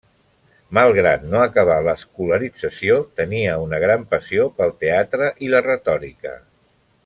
Malgrat no acabar l'escolarització, tenia una gran passió pel teatre i la retòrica.